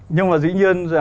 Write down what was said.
nhưng mà dĩ nhiên là